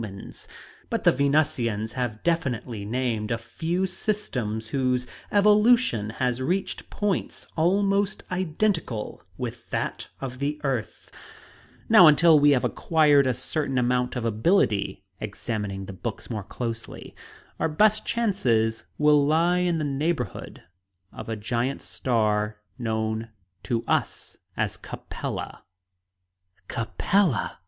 The astronomers already suspected as much, by the way. But the Venusians have definitely named a few systems whose evolution has reached points almost identical with that of the earth. "Now, until we have acquired a certain amount of ability" examining the books more closely "our best chance will lie in the neighborhood of a giant star known to us as Capella." "Capella."